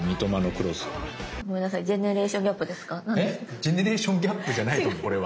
ジェネレーションギャップじゃないと思うこれは。